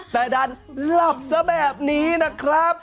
แต่ดันหลับซะแบบนี้นะครับ